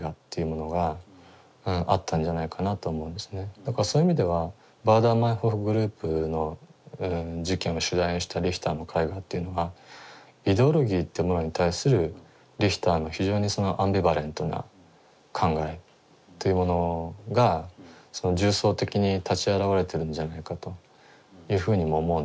だからそういう意味ではバーダー＝マインホーフ・グループの事件を取材したリヒターの絵画っていうのはイデオロギーってものに対するリヒターの非常にそのアンビバレントな考えっていうものが重層的に立ちあらわれてるんじゃないかというふうにも思うんですよね。